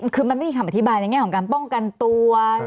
คือมันไม่มีคำอธิบายในแง่ของการป้องกันตัว